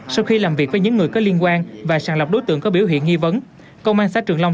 sau khi làm việc với những người có liên quan và sàng lọc đối tượng có biểu hiện nghi vấn công an xã trường long